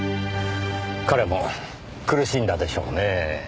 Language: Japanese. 彼も苦しんだでしょうねぇ。